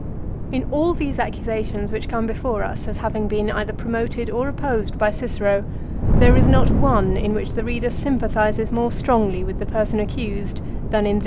In all these accusa tions which come before us as having been either promoted or opposed by Cicero, there is not one in which the reader sympathises more strongly with the person accused than in 1 Horace, Sat.